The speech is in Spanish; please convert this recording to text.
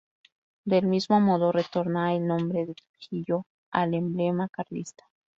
Del mismo modo retorna el nombre de "Trujillo" al emblema carlista.